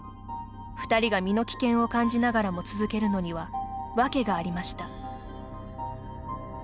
２人が身の危険を感じながらも続けるのには、訳がありました。